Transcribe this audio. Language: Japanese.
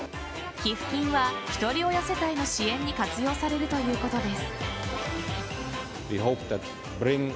寄付金はひとり親世帯の支援に活用されるということです。